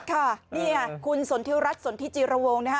ค่ะนี่คุณสนธิรัชสนธิจีรวงศ์